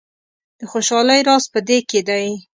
د خوشحالۍ راز په دې کې دی.